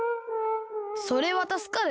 「それはたすかる。